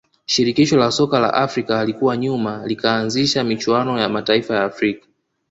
shirikisho la soka la afrika halikuwa nyuma likaanzisha michuano ya mataifa ya afrika